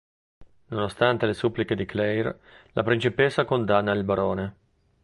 Nonostante le suppliche di Claire la principessa condanna il barone.